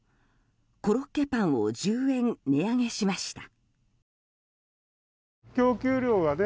コロッケパンを１０円値上げしました。